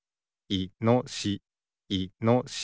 いのしし。